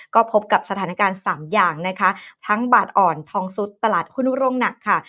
ก็พบกับสถานการณ์สามอย่างนะคะทั้งบาทอ่อนทองซุดตลาดหุ้นโรงหนักค่ะ